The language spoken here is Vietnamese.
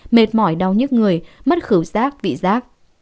mệt mỏi đau nhức người mất khẩu rác vị rác